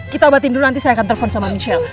kita obatin dulu nanti saya akan telepon sama michelle